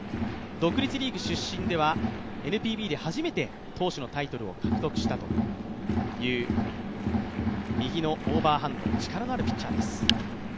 独立リーグ出身では、ＮＰＢで初めて投手のタイトルを獲得したという右のオーバーハンド、力のあるピッチャーです。